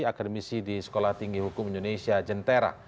akademisi di sekolah tinggi hukum indonesia jentera